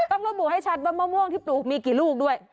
ต้องระบุให้ชัดว่ามะม่วงที่ปลูกมีกี่ลูกด้วย